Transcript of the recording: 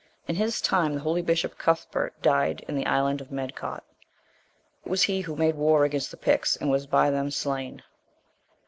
In his time the holy bishop Cuthbert died in the island of Medcaut.* It was he who made war against the Picts, and was by them slain.